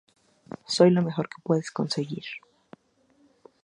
Soy lo mejor que puedes conseguir.